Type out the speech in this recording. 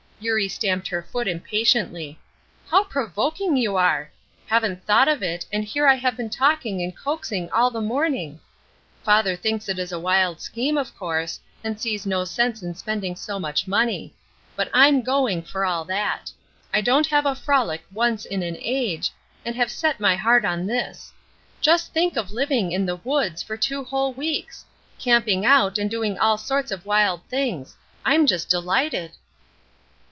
Eurie stamped her foot impatiently. "How provoking you are! Haven't thought of it, and here I have been talking and coaxing all the morning. Father thinks it is a wild scheme, of course, and sees no sense in spending so much money; but I'm going for all that. I don't have a frolic once in an age, and I have set my heart on this. Just think of living in the woods for two whole weeks! camping out, and doing all sorts of wild things. I'm just delighted."